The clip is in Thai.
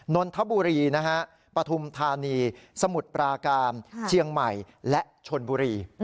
นนทบุรีนะฮะปฐุมธานีสมุทรปราการเชียงใหม่และชนบุรี